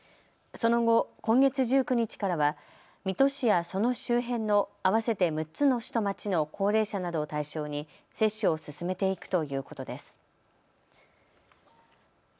その後、今月１９日からは水戸市やその周辺の合わせて６つの市と町の高齢者などを対象に接種を進めていくということです。